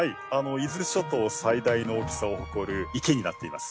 伊豆諸島最大の大きさを誇る池になっています。